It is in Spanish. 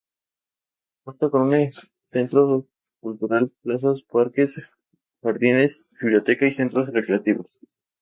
Cuenta con un centro cultural, plazas, parques, jardines, biblioteca y centros recreativos.